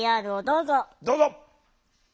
どうぞ！